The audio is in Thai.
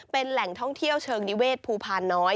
เป็นแหล่งท่องเที่ยวเชิงนิเวศภูพาน้อย